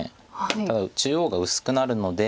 ただ中央が薄くなるので。